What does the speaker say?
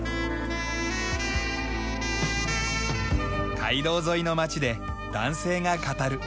街道沿いの町で男性が語る。